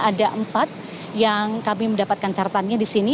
ada empat yang kami mendapatkan cartannya di sini